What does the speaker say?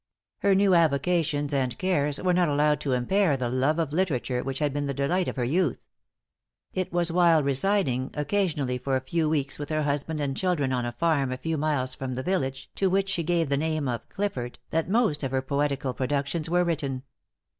Her new avocations and cares were not allowed to impair the love of literature which had been the delight of her youth. It was while residing occasionally for a few weeks with her husband and children on a farm a few miles from the village, to which she gave the name of "Clifford," that most of her poetical productions were written.